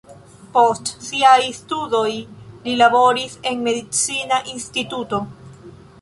Post siaj studoj li laboris en medicina instituto.